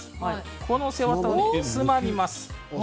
この背わたをつまみます。